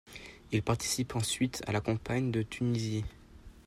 Il participe ensuite à la campagne de Tunisie.